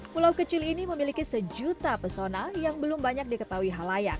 pulau kecil ini memiliki sejuta pesona yang belum banyak diketahui halayak